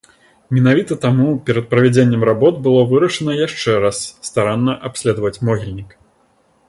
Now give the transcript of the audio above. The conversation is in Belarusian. Менавіта таму перад правядзеннем работ было вырашана яшчэ раз старанна абследаваць могільнік.